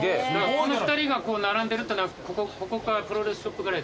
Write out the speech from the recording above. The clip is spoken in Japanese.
この２人が並んでるってのはここかプロレスショップぐらい。